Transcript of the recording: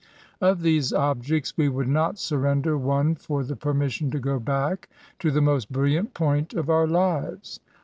Of these objects we would not surrender one for the permission to go back to the most brilliant point of our lives.